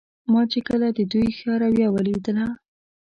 ما چې کله د دوی ښه رویه ولیدله.